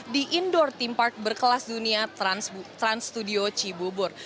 di indoor theme park berkelas dunia trans studio cibubur